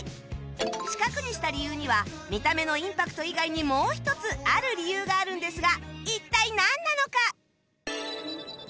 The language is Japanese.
四角にした理由には見た目のインパクト以外にもう一つある理由があるんですが一体なんなのか？